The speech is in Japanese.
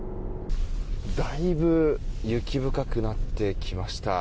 だいぶ雪深くなってきました。